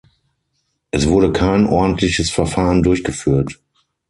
Es wurde kein ordentliches Verfahren durchgeführt.